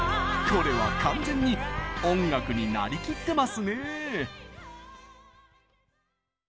これは完全に音楽になりきってますね！